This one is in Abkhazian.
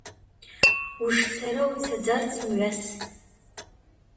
Ушцара уцаӡарц умҩас.